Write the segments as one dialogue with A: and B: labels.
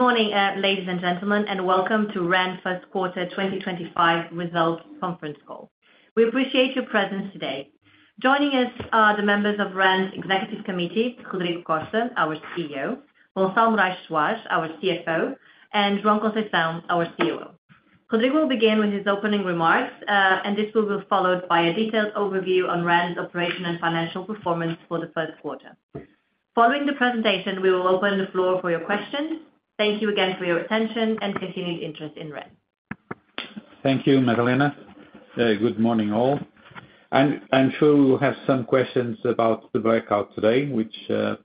A: Good morning, ladies and gentlemen, and welcome to REN First Quarter 2025 Results Conference Call. We appreciate your presence today. Joining us are the members of REN's Executive Committee, Rodrigo Costa, our CEO, Gonçalo Morais Soares, our CFO, and João Conceição, our COO. Rodrigo, will begin with his opening remarks, and this will be followed by a detailed overview on REN's operation and financial performance, for the first quarter. Following the presentation, we will open the floor for your questions. Thank you again for your attention and continued interest in REN.
B: Thank you, Madalena. Good morning, all. I'm sure we will have some questions about the blackout today, which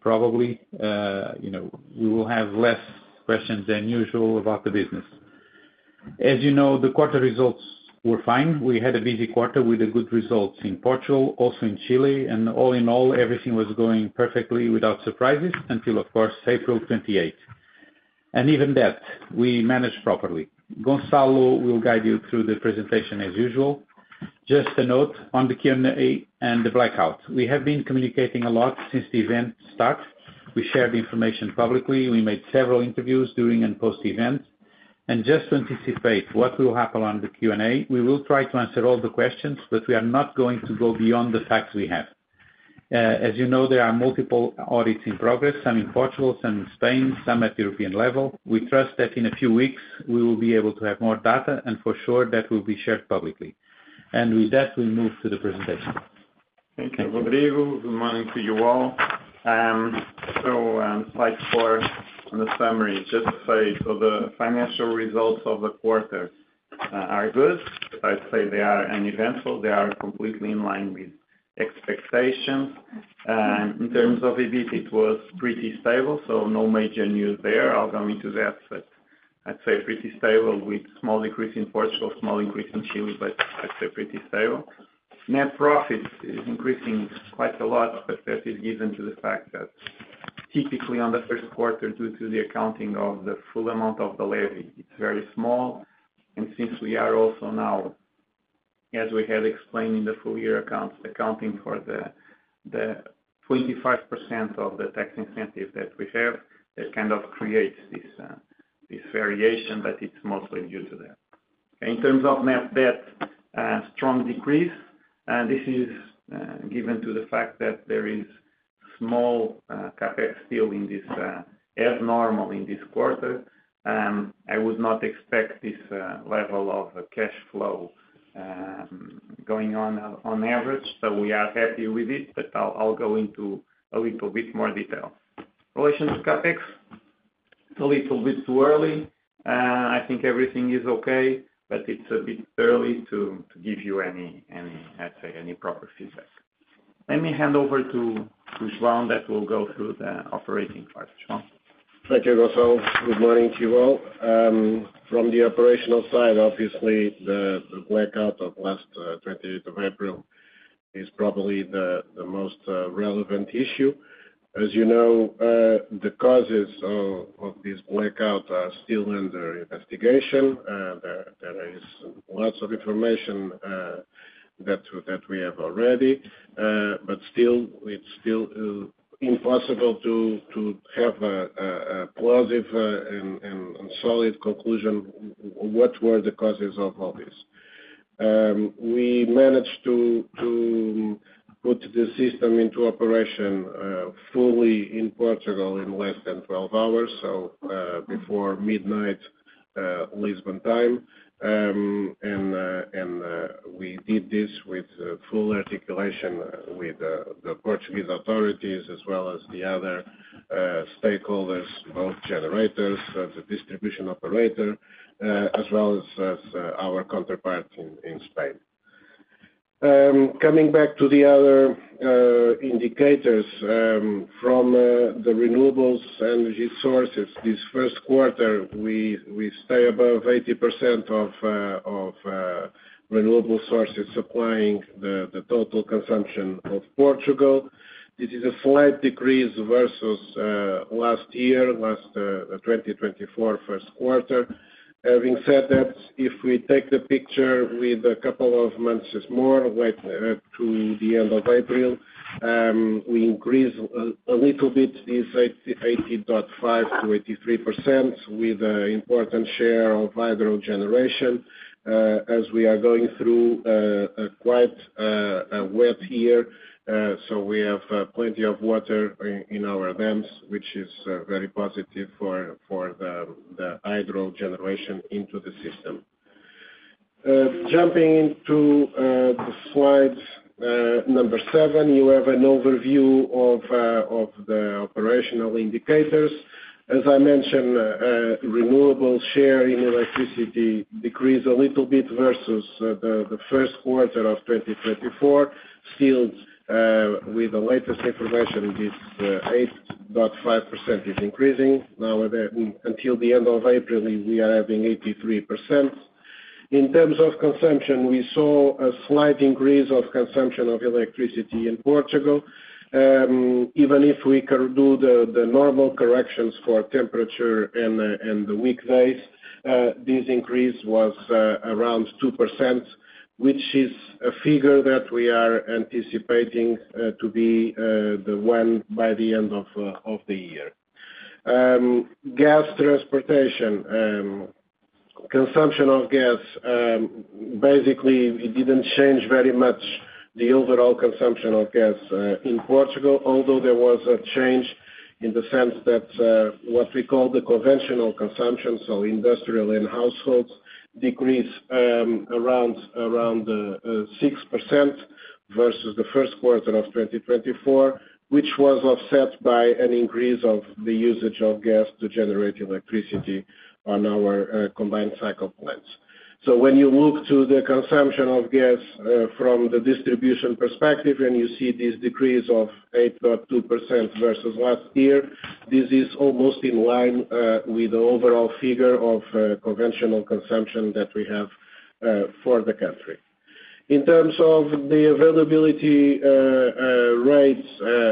B: probably we will have less questions than usual about the business. As you know, the quarter results were fine. We had a busy quarter with good results in Portugal, also in Chile, and all in all, everything was going perfectly without surprises until, of course, April 28. Even that, we managed properly. Gonçalo, will guide you through the presentation as usual. Just a note on the Q&A, and the blackout. We have been communicating a lot since the event start. We shared information publicly. We made several interviews during and post-event. Just to anticipate what will happen on the Q&A, we will try to answer all the questions, but we are not going to go beyond the facts we have. As you know, there are multiple audits in progress, some in Portugal, some in Spain, some at the European level. We trust that in a few weeks, we will be able to have more data, and for sure, that will be shared publicly. With that, we move to the presentation.
C: Thank you, Rodrigo. Good morning to you all. Slide four on the summary, just to say, the financial results of the quarter are good. I'd say they are uneventful. They are completely in line with expectations. In terms of EBIT, it was pretty stable, so no major news there. I'll go into that, but I'd say pretty stable with small increase in Portugal, small increase in Chile, but I'd say pretty stable. Net profit, is increasing quite a lot, but that is given to the fact that typically on the first quarter, due to the accounting of the full amount of the levy, it's very small. Since we are also now, as we had explained in the full year accounts, accounting for the 25%, of the tax incentive, that we have, that kind of creates this variation, but it's mostly due to that. In terms of net debt, strong decrease. This is given to the fact that there is small CapEx, still in this, abnormal in this quarter. I would not expect this level of cash flow going on on average, so we are happy with it, but I'll go into a little bit more detail. Relation to CapEx, it's a little bit too early. I think everything is okay, but it's a bit early to give you any, I'd say, any proper feedback. Let me hand over to João, that will go through the operating part. João?
D: Thank you, Gonçalo. Good morning to you all. From the operational side, obviously, the blackout of last 28th of April, is probably the most relevant issue. As you know, the causes of this blackout are still under investigation. There is lots of information that we have already, but still, it's still impossible to have a plausible and solid conclusion of what were the causes of all this. We managed to put the system into operation fully in Portugal, in less than 12 hours, before midnight Lisbon time. We did this with full articulation with the Portuguese authorities, as well as the other stakeholders, both generators, the distribution operator, as well as our counterpart in Spain. Coming back to the other indicators, from the renewables energy sources, this first quarter, we stay above 80%, of renewable sources supplying the total consumption of Portugal. This is a slight decrease versus last year, last 2024, first quarter. Having said that, if we take the picture with a couple of months more, wait to the end of April, we increase a little bit this 80.5% to 83%, with an important share of hydro generation, as we are going through a quite wet year. We have plenty of water in our dams, which is very positive for the hydro generation, into the system. Jumping into slide number seven, you have an overview of the operational indicators. As I mentioned, renewable share in electricity decreased a little bit versus the first quarter, of 2024. Still, with the latest information, this 8.5%, is increasing. Now, until the end of April, we are having 83%. In terms of consumption, we saw a slight increase of consumption of electricity in Portugal. Even if we do the normal corrections for temperature and the weekdays, this increase was around 2%, which is a figure that we are anticipating to be the one by the end of the year. Gas transportation, consumption of gas, basically, it did not change very much the overall consumption of gas in Portugal, although there was a change in the sense that what we call the conventional consumption, so industrial and households, decreased around 6%, versus the first quarter of 2024, which was offset by an increase of the usage of gas to generate electricity, on our combined cycle plants. When you look to the consumption of gas from the distribution perspective and you see this decrease of 8.2%, versus last year, this is almost in line with the overall figure of conventional consumption that we have for the country. In terms of the availability rates,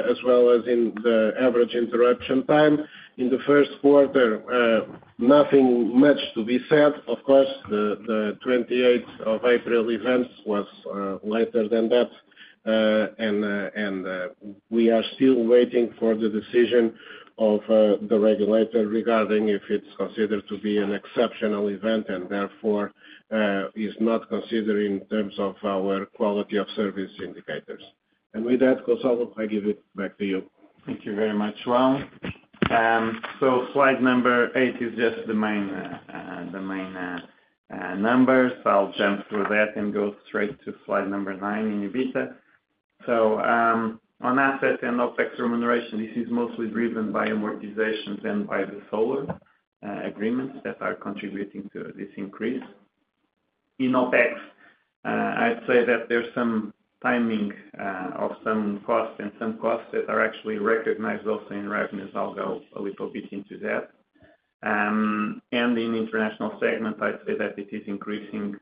D: as well as in the average interruption time, in the first quarter, nothing much to be said. Of course, the 28th of April, event was later than that, and we are still waiting for the decision of the regulator regarding if it is considered to be an exceptional event and therefore is not considered in terms of our quality of service indicators. With that, Gonçalo, I give it back to you.
C: Thank you very much, João. Slide number eight, is just the main numbers. I'll jump through that and go straight to slide number nine, in EBITDA. On asset and OpEx remuneration, this is mostly driven by amortizations and by the solar agreements that are contributing to this increase. In OpEx, I'd say that there's some timing of some costs and some costs that are actually recognized also in revenues. I'll go a little bit into that. In international segment, I'd say that it is increasing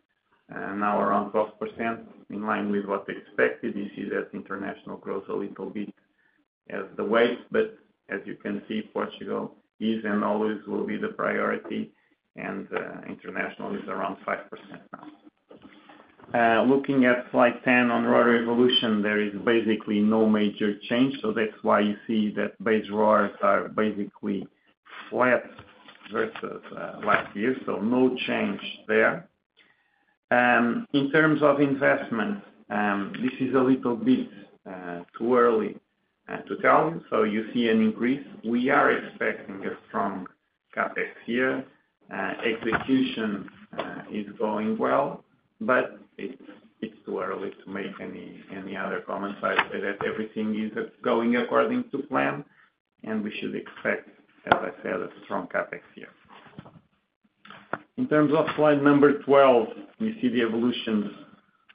C: now around 12%, in line with what we expected. You see that international grows a little bit as the weight, but as you can see, Portugal, is and always will be the priority, and international is around 5%, now. Looking at slide 10, on road revolution, there is basically no major change, so that's why you see that base roars are basically flat versus last year, so no change there. In terms of investment, this is a little bit too early to tell you, so you see an increase. We are expecting a strong CapEx year. Execution is going well, but it's too early to make any other comments. I'd say that everything is going according to plan, and we should expect, as I said, a strong CapEx year. In terms of slide number 12, you see the evolution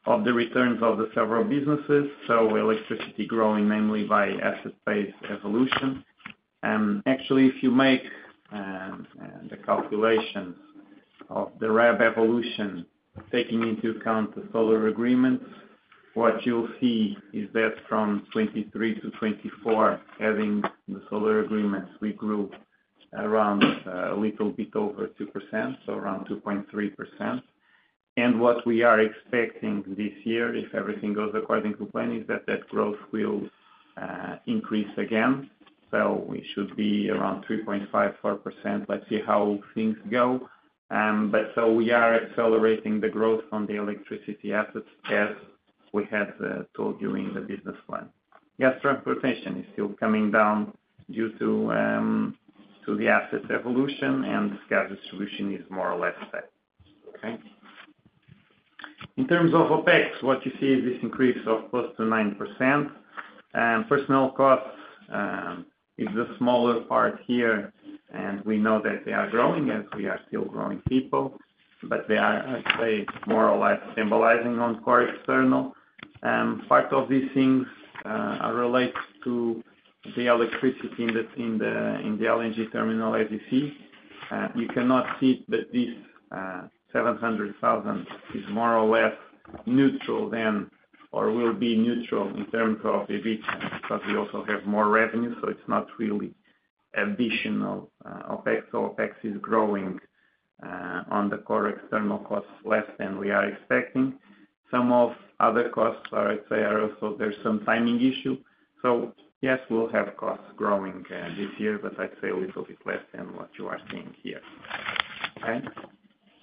C: of the returns of the several businesses, so electricity growing mainly by asset-based evolution. Actually, if you make the calculations of the REB evolution, taking into account the solar agreements, what you'll see is that from 2023 to 2024, adding the solar agreements, we grew around a little bit over 2%, so around 2.3%. What we are expecting this year, if everything goes according to plan, is that that growth will increase again. We should be around 3.5-4%. Let's see how things go. We are accelerating the growth on the electricity assets, as we had told you in the business plan. Gas transportation, is still coming down due to the asset evolution, and gas distribution, is more or less stable. Okay? In terms of OpEx, what you see is this increase of close to 9%. Personnel costs, is the smaller part here, and we know that they are growing as we are still growing people, but they are, I'd say, more or less stabilizing on core external. Part of these things relate to the electricity in the LNG terminal, as you see. You cannot see that this 700,000, is more or less neutral than or will be neutral in terms of EBITDA, because we also have more revenue, so it's not really additional OpEx. OpEx, is growing on the core external costs, less than we are expecting. Some of other costs, I'd say, are also there's some timing issue. Yes, we'll have costs growing this year, but I'd say a little bit less than what you are seeing here. Okay?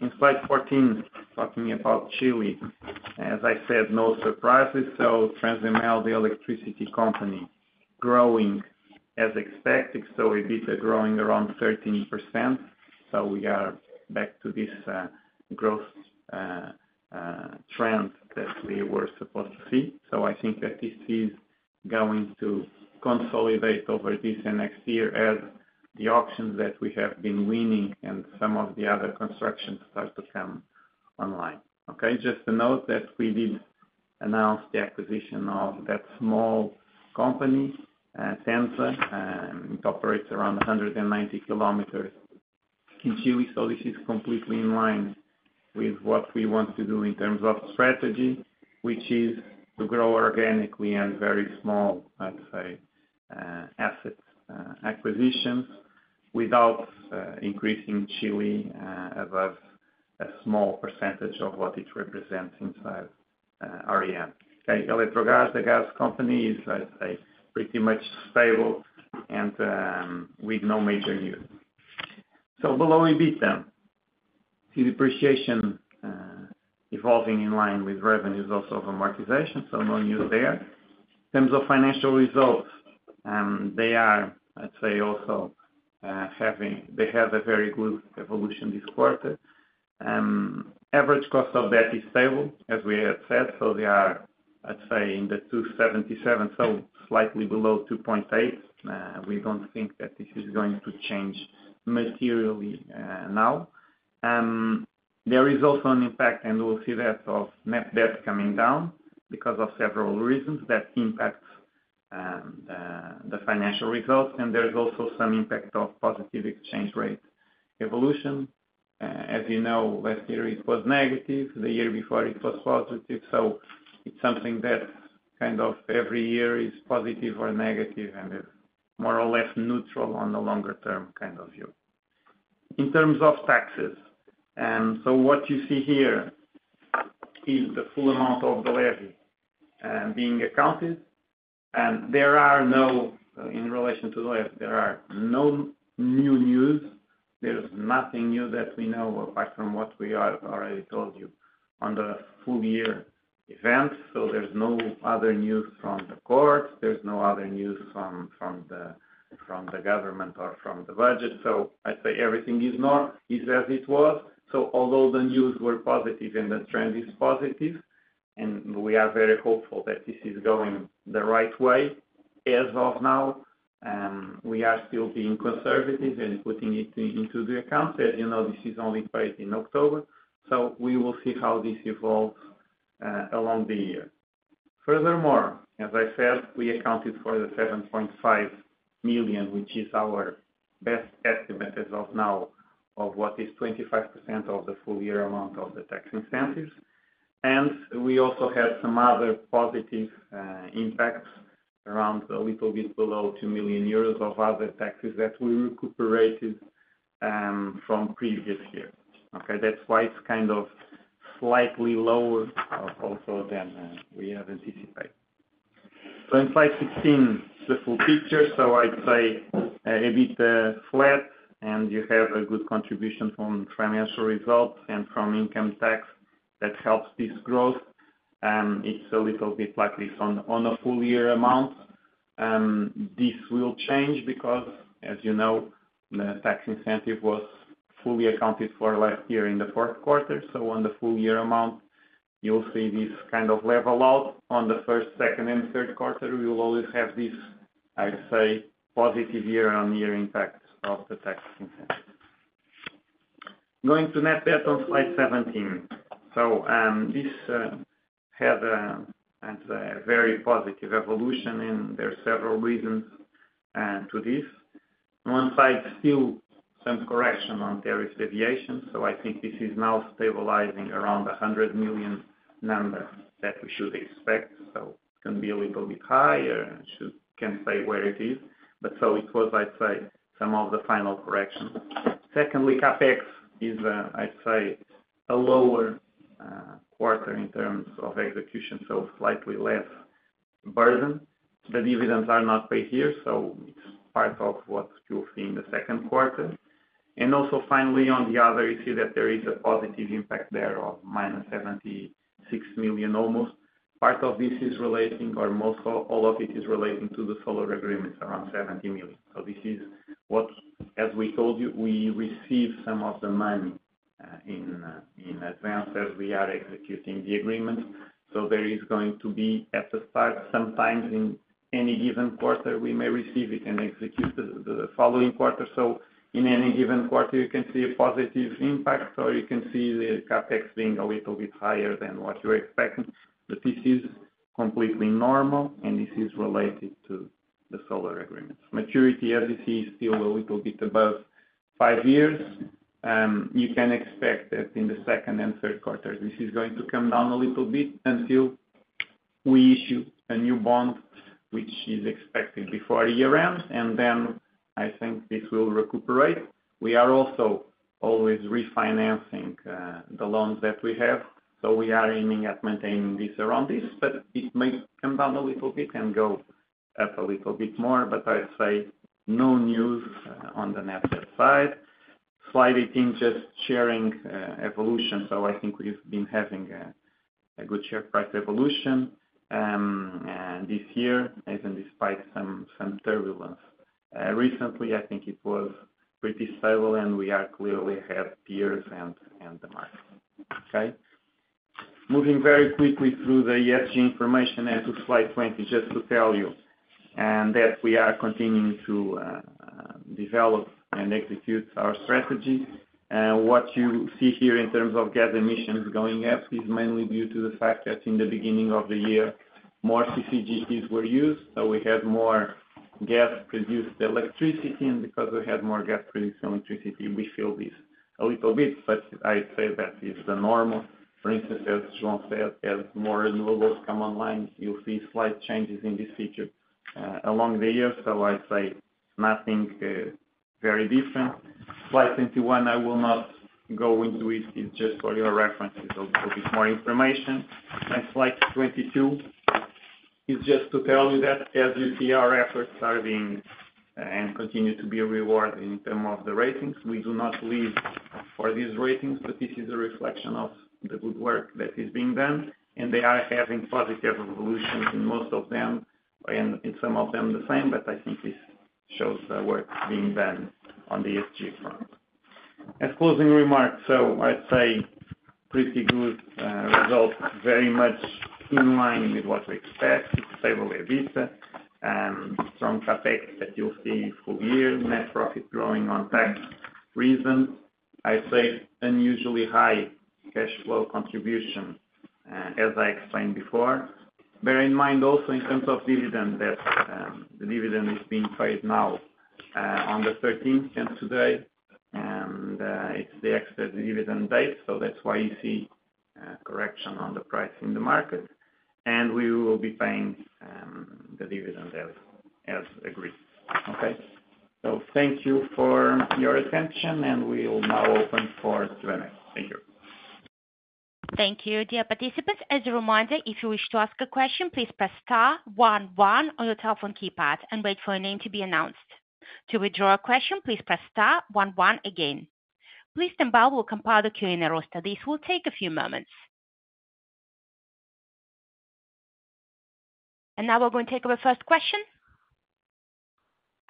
C: In slide 14, talking about Chile, as I said, no surprises. TransML, the electricity company, growing as expected. EBITDA, growing around 13%. We are back to this growth trend that we were supposed to see. I think that this is going to consolidate over this next year as the options that we have been winning and some of the other construction start to come online. Just to note that we did announce the acquisition of that small company, Tenza. It operates around 190 km in Chile, so this is completely in line with what we want to do in terms of strategy, which is to grow organically and very small, I'd say, asset acquisitions without increasing Chile, above a small percentage of what it represents inside REN. Eletrogaz, the gas company, is, I'd say, pretty much stable and with no major news. Below EBITDA, see depreciation evolving in line with revenues also of amortization, so no news there. In terms of financial results, they are, I'd say, also having they had a very good evolution this quarter. Average cost of debt, is stable, as we had said, so they are, I'd say, in the 2.77, so slightly below 2.8. We don't think that this is going to change materially now. There is also an impact, and we'll see that, of net debt coming down because of several reasons that impact the financial results. And there's also some impact of positive exchange rate evolution. As you know, last year it was negative. The year before, it was positive. So it's something that kind of every year is positive or negative and is more or less neutral on the longer-term kind of view. In terms of taxes, so what you see here is the full amount, of the levy being accounted. There are no, in relation to the levy, there are no new news. There is nothing new that we know apart from what we already told you on the full-year event. There is no other news from the courts. There is no other news from the government or from the budget. I would say everything is as it was. Although the news were positive and the trend is positive, and we are very hopeful that this is going the right way as of now, we are still being conservative and putting it into the account. As you know, this is only paid in October, so we will see how this evolves along the year. Furthermore, as I said, we accounted for 7.5 million, which is our best estimate as of now of what is 25%, of the full-year amount of the tax incentives. We also had some other positive impacts around a little bit below 2 million euros, of other taxes, that we recuperated from previous years. Okay? That is why it is kind of slightly lower also than we had anticipated. In slide 16, the full picture. I would say EBITDA flat, and you have a good contribution from financial results and from income tax, that helps this growth. It is a little bit like this on a full-year amount. This will change because, as you know, the tax incentive, was fully accounted for last year in the fourth quarter. On the full-year amount, you will see this kind of level out. On the first, second, and third quarter, we will always have this, I would say, positive year-on-year impact of the tax incentives. Going to net debt on slide 17. This had a very positive evolution, and there are several reasons to this. On one side, still some correction on tariff deviation, so I think this is now stabilizing around the 100 million, number that we should expect. It can be a little bit higher. It can stay where it is, but it was, I'd say, some of the final corrections. Secondly, CapEx is, I'd say, a lower quarter in terms of execution, so slightly less burden. The dividends are not paid here, so it is part of what you'll see in the second quarter. Also, finally, on the other, you see that there is a positive impact there of minus 76 million almost. Part of this is relating, or most all of it is relating to the solar agreements, around 70 million. This is what, as we told you, we receive some of the money in advance as we are executing the agreements. There is going to be, at the start, sometimes in any given quarter, we may receive it and execute the following quarter. In any given quarter, you can see a positive impact, or you can see the CapEx, being a little bit higher than what you're expecting. This is completely normal, and this is related to the solar agreements. Maturity, as you see, is still a little bit above five years. You can expect that in the second and third quarters, this is going to come down a little bit until we issue a new bond, which is expected before, and then I think this will recuperate. We are also always refinancing the loans that we have, so we are aiming at maintaining this around this, but it may come down a little bit and go up a little bit more, but I'd say no news on the net debt side. Slide 18, just sharing evolution. I think we've been having a good share price evolution this year, even despite some turbulence. Recently, I think it was pretty stable, and we are clearly ahead of peers and the market. Okay? Moving very quickly through the ESG information, and to slide 20, just to tell you that we are continuing to develop and execute our strategy. What you see here in terms of gas emissions, going up is mainly due to the fact that in the beginning of the year, more CCGCs, were used, so we had more gas-produced electricity. Because we had more gas-produced electricity, we feel this a little bit, but I'd say that is the normal. For instance, as João said, as more renewables come online, you'll see slight changes in this figure along the year, so I'd say nothing very different. Slide 21, I will not go into it. It's just for your reference. It's a little bit more information. Slide 22, is just to tell you that, as you see, our efforts are being and continue to be rewarded in terms of the ratings. We do not live for these ratings, but this is a reflection of the good work that is being done, and they are having positive evolutions in most of them and in some of them the same, but I think this shows the work being done on the ESG front. As closing remarks, I'd say pretty good results, very much in line with what we expect. It's a stable EBITDA, strong CapEx, that you'll see full year, net profit growing on tax reasons. I'd say unusually high cash flow contribution, as I explained before. Bear in mind also in terms of dividend, that the dividend is being paid now on the 13th, and today, and it's the expected dividend date, so that's why you see correction on the price in the market. We will be paying the dividend as agreed. Thank you for your attention, and we'll now open for Q&A. Thank you.
E: Thank you, dear participants. As a reminder, if you wish to ask a question, please press star 11 on your telephone keypad and wait for your name to be announced. To withdraw a question, please press star 11 again. Please stand by while we compile the Q&A roster. This will take a few moments. Now we are going to take up our first question.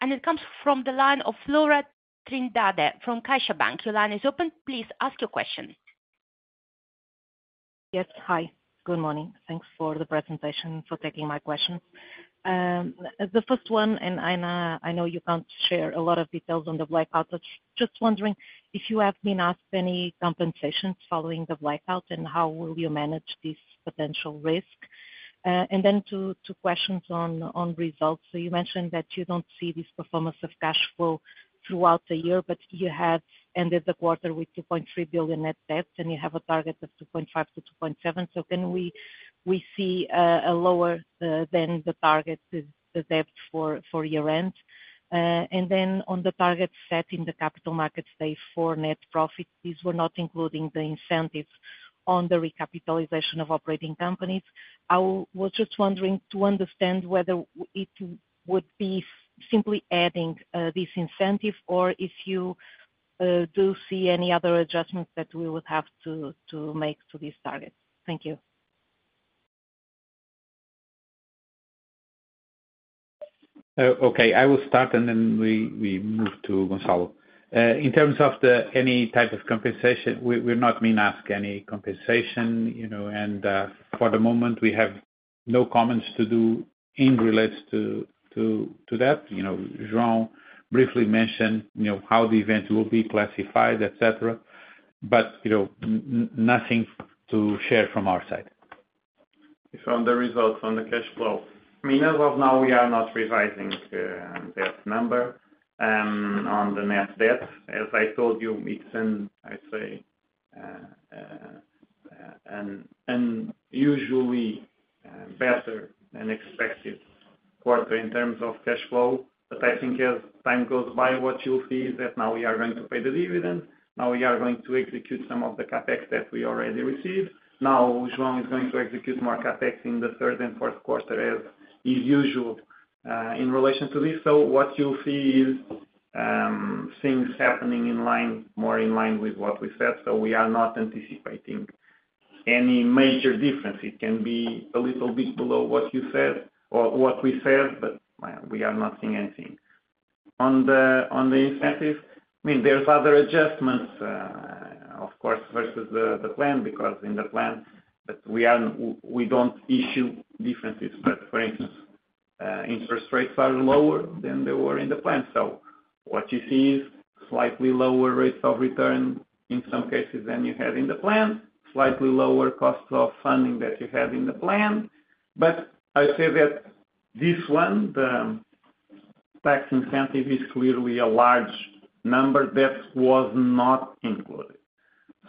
E: It comes from the line of Flora Trindade, from Caixa Bank. Your line is open. Please ask your question.
F: Yes. Hi. Good morning. Thanks for the presentation and for taking my questions. The first one, and I know you can't share a lot of details on the blackout, but just wondering if you have been asked any compensations following the blackout, and how will you manage this potential risk. Then two questions on results. You mentioned that you don't see this performance of cash flow, throughout the year, but you have ended the quarter, with 2.3 billion, net debt, and you have a target, of 2.5 billion-2.7 billion. Can we see a lower than the target debt for year-end? On the target set in the capital markets day, for net profit, these were not including the incentives on the recapitalization of operating companies. I was just wondering to understand whether it would be simply adding this incentive or if you do see any other adjustments that we would have to make to this target. Thank you.
B: Okay. I will start, and then we move to Gonçalo. In terms of any type of compensation, we are not being asked any compensation, and for the moment, we have no comments to do in relation to that. João, briefly mentioned how the event will be classified, etc., but nothing to share from our side.
C: On the results, on the cash flow. I mean, as of now, we are not revising that number on the net debt. As I told you, it's an, I'd say, an unusually better than expected quarter, in terms of cash flow, but I think as time goes by, what you'll see is that now we are going to pay the dividend. Now we are going to execute some of the CapEx, that we already received. Now João, is going to execute more CapEx, in the third and fourth quarter, as is usual in relation to this. What you'll see is things happening in line, more in line with what we said. We are not anticipating any major difference. It can be a little bit below what you said or what we said, but we are not seeing anything. On the incentives, I mean, there's other adjustments, of course, versus the plan because in the plan, but we don't issue differences. For instance, interest rates are lower than they were in the plan. What you see is slightly lower rates of return in some cases than you had in the plan, slightly lower costs of funding that you had in the plan. I'd say that this one, the tax incentive, is clearly a large number that was not included.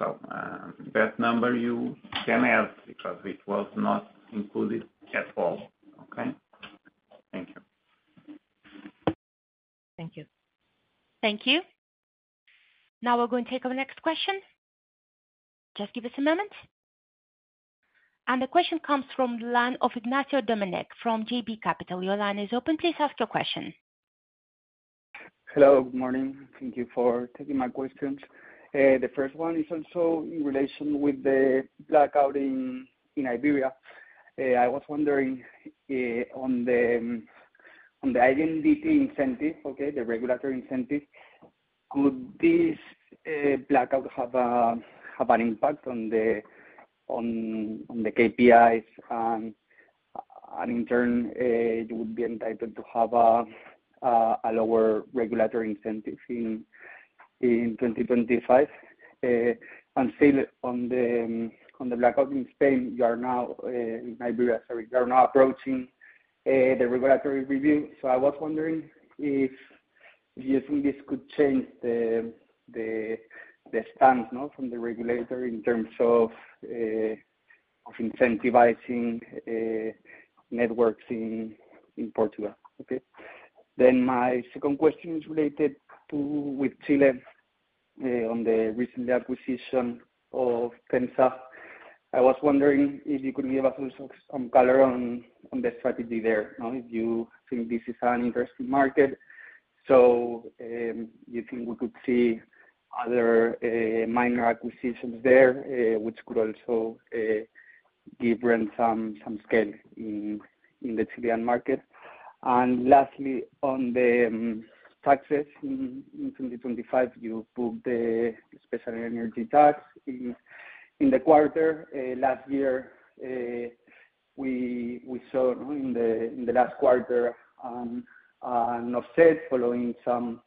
C: That number, you can add because it was not included at all. Okay? Thank you.
F: Thank you.
E: Thank you. Now we're going to take up the next question. Just give us a moment. The question comes from the line of Ignacio Domenech, from JB Capital. Your line is open. Please ask your question.
G: Hello. Good morning. Thank you for taking my questions. The first one is also in relation with the blackout in Iberia. I was wondering on the IMDT incentive, okay, the regulatory incentive, could this blackout have an impact on the KPIs? In turn, you would be entitled to have a lower regulatory incentive in 2025. Still on the blackout in Spain, you are now in Iberia, sorry, you are now approaching the regulatory review. I was wondering if using this could change the stance from the regulator in terms of incentivizing networks in Portugal. Okay? My second question, is related to Chile, on the recent acquisition of Tenza. I was wondering if you could give us some color on the strategy there, if you think this is an interesting market. Do you think we could see other minor acquisitions there, which could also give REN, some scale in the Chilean market. Lastly, on the taxes in 2025, you put the special energy tax, in the quarter. Last year, we saw in the last quarter, an offset following some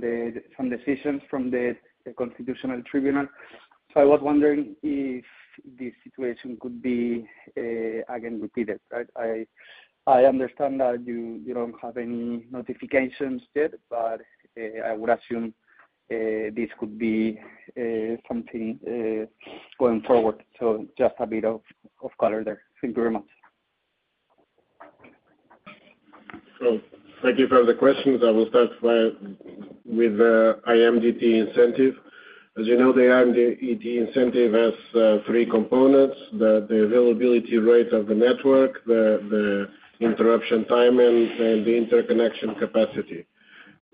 G: decisions from the Constitutional Tribunal. I was wondering if this situation could be again repeated. I understand that you do not have any notifications yet, but I would assume this could be something going forward. Just a bit of color there. Thank you very much.
D: Thank you for the questions. I will start with the IMDT incentive. As you know, the IMDT incentive, has three components: the availability rate of the network, the interruption time, and the interconnection capacity.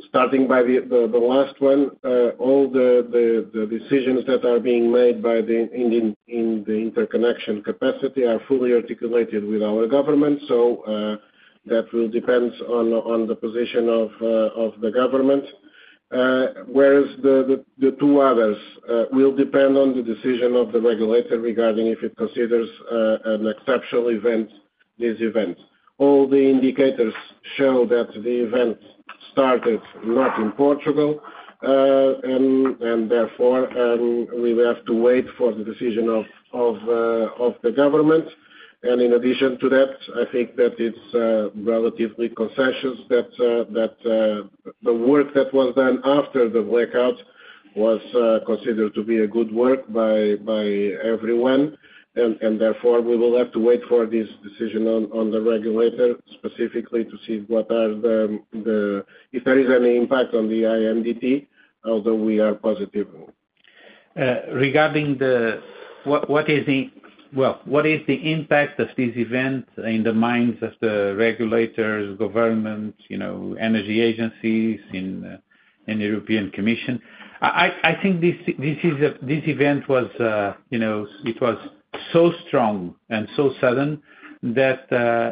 D: Starting by the last one, all the decisions that are being made in the interconnection capacity are fully articulated with our government, so that will depend on the position of the government. Whereas the two others will depend on the decision of the regulator regarding if it considers an exceptional event, this event. All the indicators show that the event started not in Portugal, and therefore, we will have to wait for the decision of the government. In addition to that, I think that it's relatively conscientious that the work that was done after the blackout was considered to be good work by everyone. Therefore, we will have to wait for this decision on the regulator specifically to see if there is any impact on the IMDT, although we are positive.
B: Regarding what is the impact of this event in the minds of the regulators, government, energy agencies, and European Commission? I think this event was so strong and so sudden that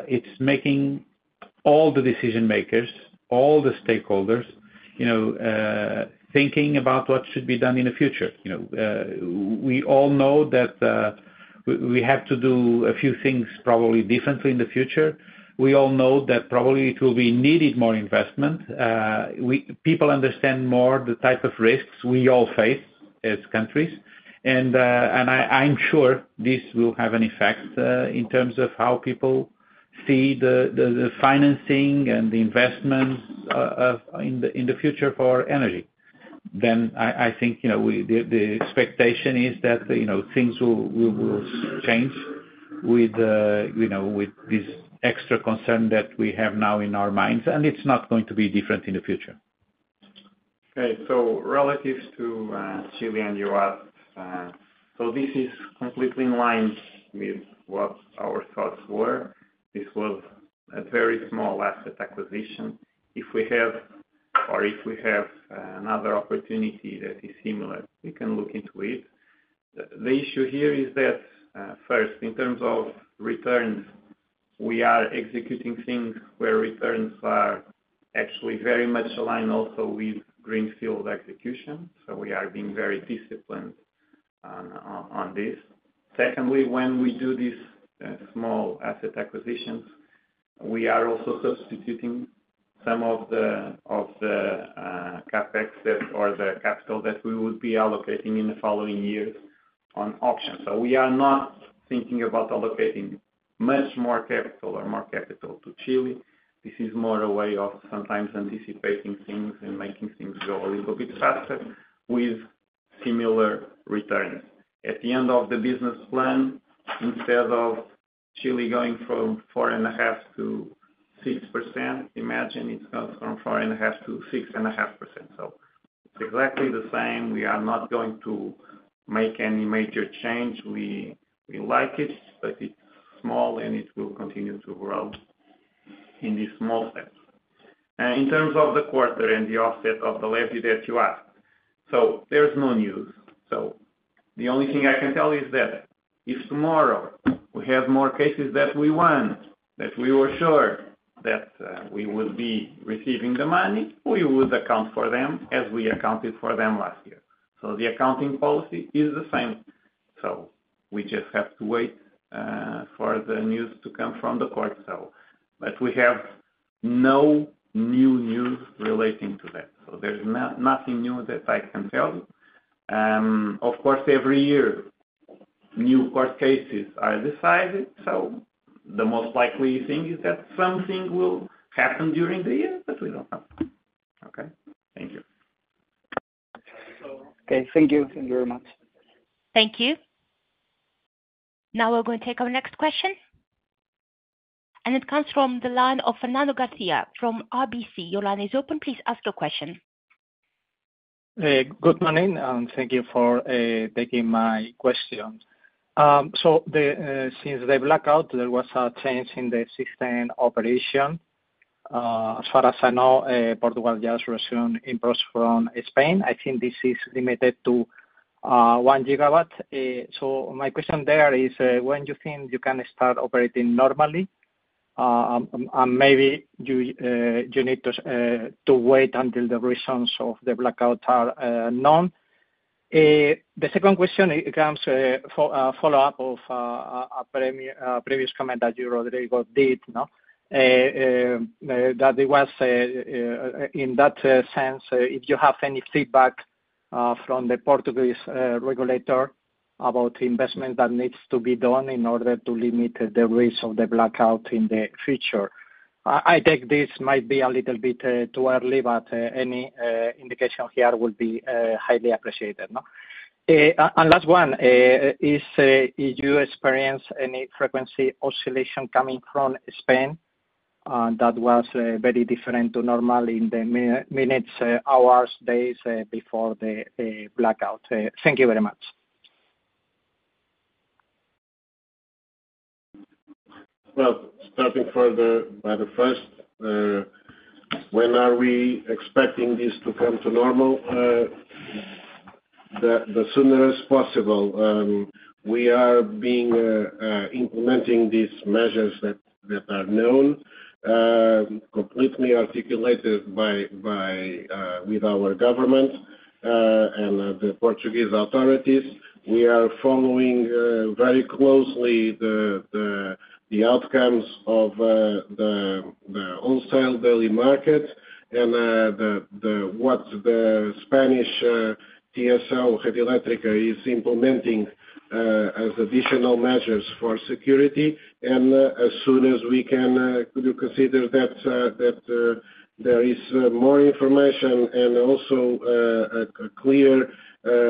B: it's making all the decision-makers, all the stakeholders thinking about what should be done in the future. We all know that we have to do a few things probably differently in the future. We all know that probably it will be needed more investment. People understand more the type of risks we all face as countries. I'm sure this will have an effect in terms of how people see the financing and the investments, in the future for energy. I think the expectation is that things will change with this extra concern that we have now in our minds, and it's not going to be different in the future.
D: Okay. Relative to Chile, and your app, this is completely in line with what our thoughts were. This was a very small asset acquisition. If we have or if we have another opportunity that is similar, we can look into it. The issue here is that first, in terms of returns, we are executing things where returns are actually very much aligned also with greenfield execution. We are being very disciplined on this. Secondly, when we do these small asset acquisitions, we are also substituting some of the CapEx or the capital, that we would be allocating in the following years on options. We are not thinking about allocating much more capital or more capital to Chile. This is more a way of sometimes anticipating things and making things go a little bit faster with similar returns. At the end of the business plan, instead of Chile, going from 4.5% to 6%, imagine it is going from 4.5% to 6.5%. It is exactly the same. We are not going to make any major change. We like it, but it's small, and it will continue to grow in this small step. In terms of the quarter, and the offset of the levy that you asked, there is no news. The only thing I can tell you is that if tomorrow we have more cases that we won, that we were sure that we would be receiving the money, we would account for them as we accounted for them last year. The accounting policy, is the same. We just have to wait for the news to come from the court. We have no new news relating to that. There is nothing new that I can tell you. Of course, every year, new court cases are decided. The most likely thing is that something will happen during the year, but we do not know. Okay? Thank you.
G: Thank you very much.
E: Thank you. Now we're going to take our next question. It comes from the line of Fernando Garcia, from RBC. Your line is open. Please ask your question.
H: Good morning. Thank you for taking my question. Since the blackout, there was a change in the system operation. As far as I know, Portugal, just resumed imports from Spain. I think this is limited to 1 gigawatt. My question there is, when do you think you can start operating normally? Maybe you need to wait until the reasons of the blackout are known. The second question comes as a follow-up of a previous comment that you already did, that it was in that sense, if you have any feedback from the Portuguese regulator, about investment that needs to be done in order to limit the risk of the blackout in the future. I take this might be a little bit too early, but any indication here would be highly appreciated. The last one is, did you experience any frequency oscillation coming from Spain, that was very different to normal in the minutes, hours, days before the blackout? Thank you very much.
D: Starting further by the first, when are we expecting this to come to normal? The sooner as possible. We are being implementing these measures that are known, completely articulated with our government and the Portuguese authorities. We are following very closely the outcomes of the wholesale daily market and what the Spanish TSO, Red Eléctrica, is implementing as additional measures for security. As soon as we can consider that there is more information and also clear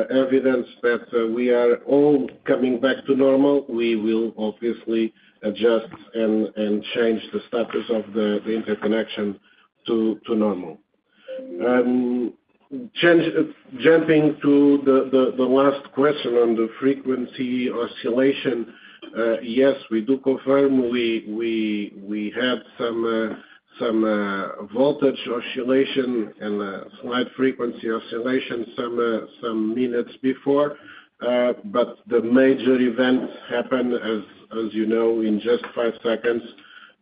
D: evidence that we are all coming back to normal, we will obviously adjust and change the status of the interconnection to normal. Jumping to the last question on the frequency oscillation, yes, we do confirm we had some voltage oscillation, and slight frequency oscillation, some minutes before. The major event happened, as you know, in just five seconds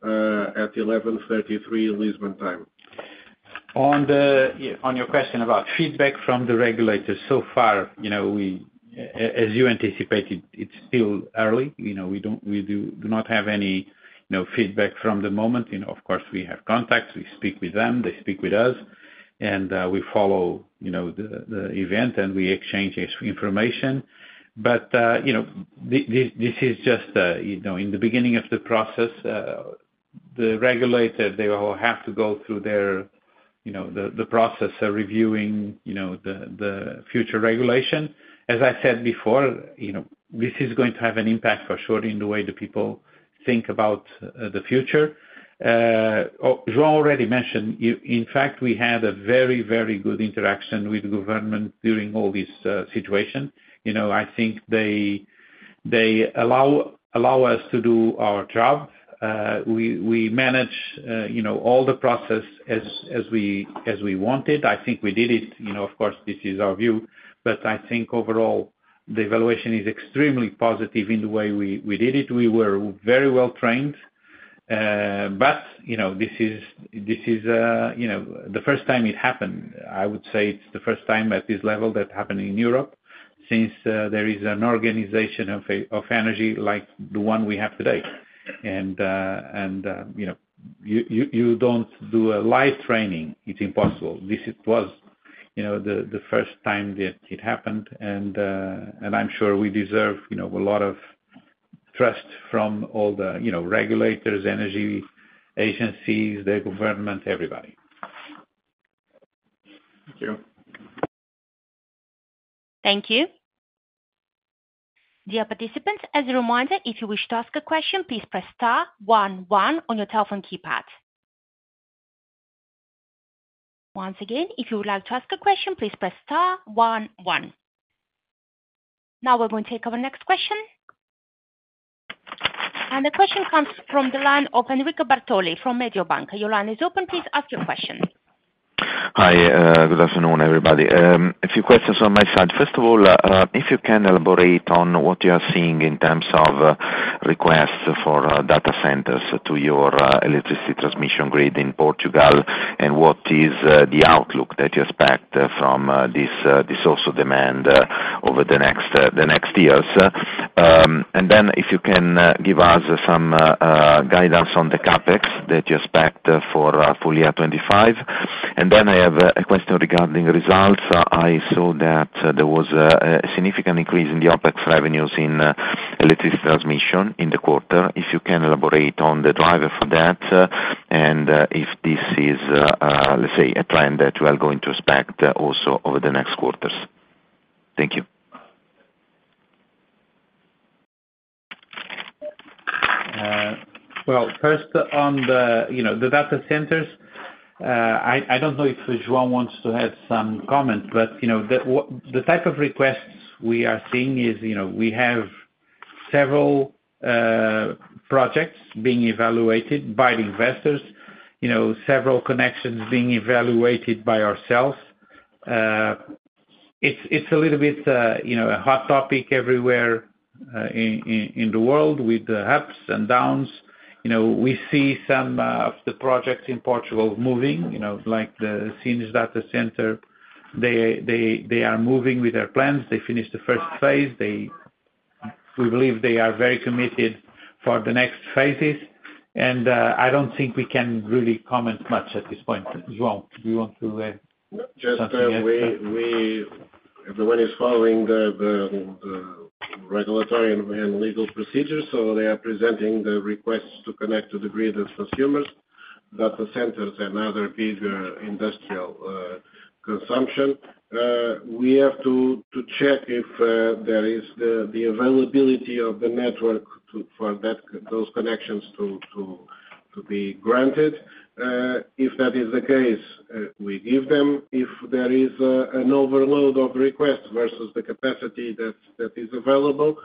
D: at 11:33 A.M. Lisbon time.
B: On your question about feedback from the regulator, so far, as you anticipated, it's still early. We do not have any feedback from the moment. Of course, we have contacts. We speak with them. They speak with us. We follow the event, and we exchange information. This is just in the beginning of the process. The regulator, they will have to go through their process of reviewing the future regulation. As I said before, this is going to have an impact for sure in the way the people think about the future. João, already mentioned. In fact, we had a very, very good interaction with the government during all this situation. I think they allow us to do our job. We manage all the process as we wanted. I think we did it. Of course, this is our view. I think overall, the evaluation is extremely positive in the way we did it. We were very well trained. This is the first time it happened. I would say it's the first time at this level that happened in Europe, since there is an organization of energy like the one we have today. You don't do a live training. It's impossible. This was the first time that it happened. I'm sure we deserve a lot of trust from all the regulators, energy agencies, the government, everybody.
H: Thank you. Thank you. Dear participants, as a reminder, if you wish to ask a question, please press star, 1, 1 on your telephone keypad. Once again, if you would like to ask a question, please press star, 1, 1. Now we're going to take our next question. The question comes from the line of Enrico Bartoli, from Mediobanca. Your line is open. Please ask your question.
I: Hi. Good afternoon, everybody. A few questions on my side. First of all, if you can elaborate on what you are seeing in terms of requests for data centers to your electricity transmission grid in Portugal, and what is the outlook that you expect from this source of demand over the next years? If you can give us some guidance on the CapEx, that you expect for 2025. I have a question regarding results. I saw that there was a significant increase in the OpEx revenues, in electricity transmission in the quarter. If you can elaborate on the driver for that, and if this is, let's say, a trend that you are going to expect also over the next quarters. Thank you.
B: On the data centers, I do not know if João, wants to add some comment, but the type of requests we are seeing is we have several projects being evaluated by the investors, several connections being evaluated by ourselves. It is a little bit a hot topic everywhere in the world with the ups and downs. We see some of the projects in Portugal moving, like the Sines data center. They are moving with their plans. They finished the first phase. We believe they are very committed for the next phases. I do not think we can really comment much at this point. João, do you want to add something?
D: Everyone is following the regulatory and legal procedures. They are presenting the requests to connect to the grid as consumers, data centers, and other bigger industrial consumption. We have to check if there is the availability of the network for those connections to be granted. If that is the case, we give them. If there is an overload of requests versus the capacity that is available,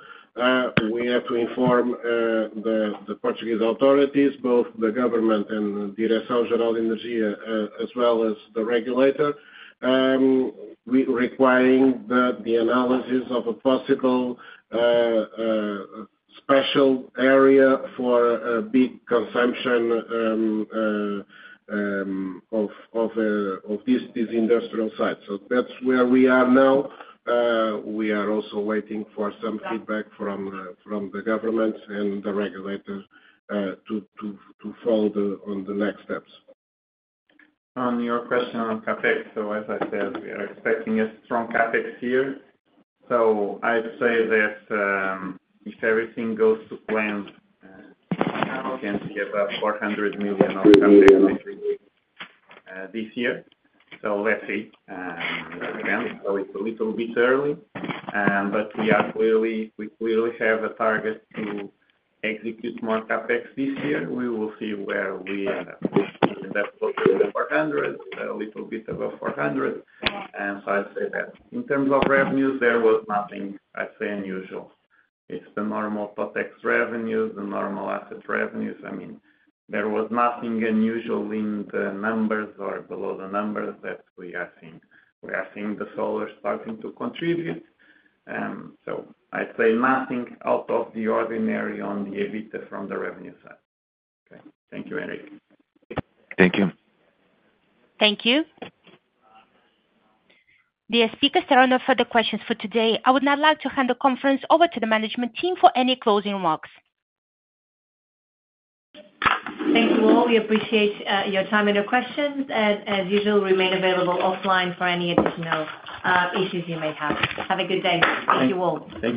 D: we have to inform the Portuguese authorities, both the government and Direção Geral de Energia, as well as the regulator, requiring the analysis of a possible special area for big consumption of these industrial sites. That is where we are now. We are also waiting for some feedback from the government and the regulator to follow on the next steps.
C: On your question on CapEx, as I said, we are expecting a strong CapEx here. I would say that if everything goes to plan, we can get about 400 million, of CapEx this year. Let's see. It depends. It is a little bit early. We clearly have a target to execute more CapEx this year. We will see where we end up. We end up closer to 400 million, a little bit above 400 million. I would say that in terms of revenues, there was nothing, I would say, unusual. It is the normal TOTEX revenues, the normal asset revenues. I mean, there was nothing unusual in the numbers or below the numbers that we are seeing. We are seeing the solar starting to contribute. I would say nothing out of the ordinary on the EBITDA, from the revenue side. Okay. Thank you, Enrico.
I: Thank you.
E: Thank you. The speakers are on for the questions for today. I would now like to hand the conference over to the management team for any closing remarks.
A: Thank you all. We appreciate your time and your questions. As usual, we remain available offline for any additional issues you may have. Have a good day. Thank you all. Thank you.